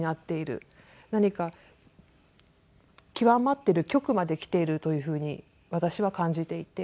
何か極まっている極まで来ているというふうに私は感じていて。